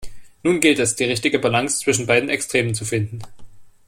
Nun gilt es, die richtige Balance zwischen beiden Extremen zu finden.